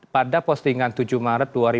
tadi yang saya tanyakan pak rustam